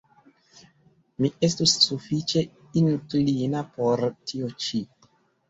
Mi estus sufiĉe inklina por tio ĉi.